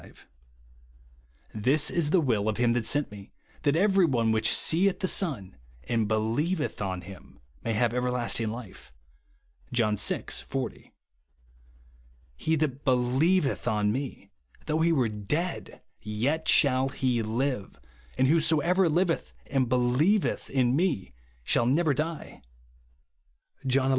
BELIEVE AND BE SAVED. will of him that sent me, that every one which seeth the Son, and hdievetk on him, may have everlasting life/' (John vi. 40). * He that helieveth on me, though he were dead, yet shall he live ; and whosoever liv eth and helieveth in me shall never die," (John xi.